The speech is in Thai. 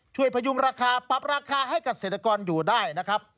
พยุงราคาปรับราคาให้เกษตรกรอยู่ได้นะครับ